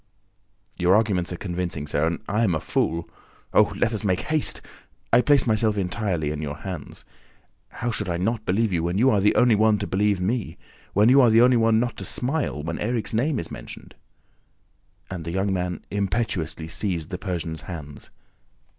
"Your arguments are convincing, sir, and I am a fool! ... Oh, let us make haste! I place myself entirely in your hands! ... How should I not believe you, when you are the only one to believe me ... when you are the only one not to smile when Erik's name is mentioned?" And the young man impetuously seized the Persian's hands.